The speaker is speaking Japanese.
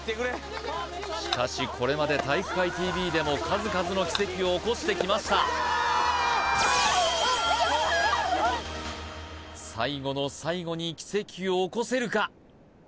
しかしこれまで体育会ＴＶでも数々の奇跡を起こしてきました最後の最後に奇跡を起こせるか？